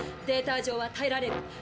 データ上はたえられる。